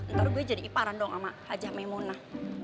ntar gue jadi iparan dong sama hajah maimunah